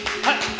はい！